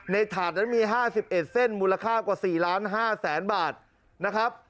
ในถาดนั้นมีห้าสิบเอ็ดเส้นมูลค่ากว่าสี่ล้านห้าแสนบาทนะครับ